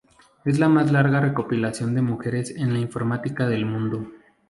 Es la más larga recopilación de mujeres en la informática del mundo.